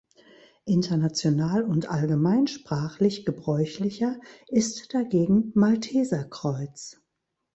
International und allgemeinsprachlich gebräuchlicher ist dagegen „Malteserkreuz“.